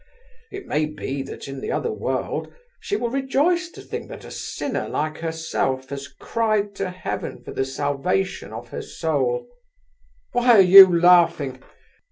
It may be that in the other world she will rejoice to think that a sinner like herself has cried to heaven for the salvation of her soul. Why are you laughing?